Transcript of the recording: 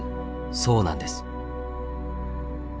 そうなんです。